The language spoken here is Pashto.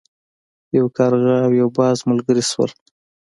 یو کارغه او یو باز ملګري شول.